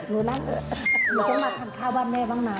หนูต้องมาทานข้าวบ้านแม่บ้างนะ